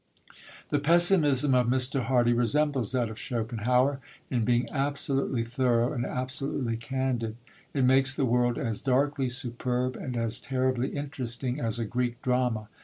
The pessimism of Mr. Hardy resembles that of Schopenhauer in being absolutely thorough and absolutely candid; it makes the world as darkly superb and as terribly interesting as a Greek drama.